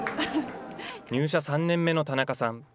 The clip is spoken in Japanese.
入社３年目の田中さん。